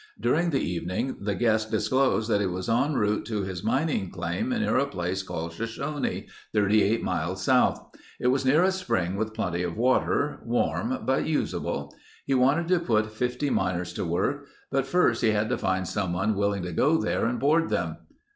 During the evening the guest disclosed that he was en route to his mining claim near a place called Shoshone, 38 miles south. It was near a spring with plenty of water, warm, but usable. He wanted to put 50 miners to work but first he had to find someone willing to go there and board them.